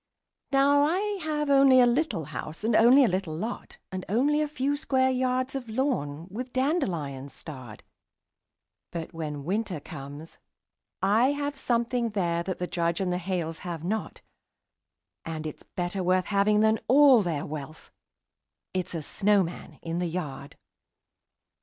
Now I have only a little house, and only a little lot, And only a few square yards of lawn, with dandelions starred; But when Winter comes, I have something there that the Judge and the Hales have not, And it's better worth having than all their wealth it's a snowman in the yard.